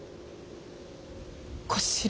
小四郎。